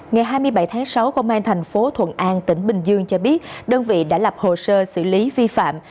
ngày hai mươi bảy tháng sáu công an thành phố thuận an tỉnh bình dương cho biết đơn vị đã lập hồ sơ xử lý vi phạm